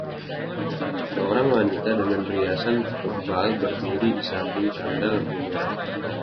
Seorang wanita dengan riasan tebal berdiri di samping tanda lampu merah